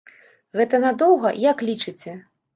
Гэта надоўга, як лічыце?